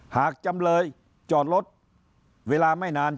จำเลยจอดรถเวลาไม่นาน